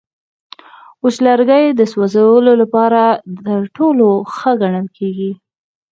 وچ لرګی د سوځولو لپاره تر ټولو ښه ګڼل کېږي.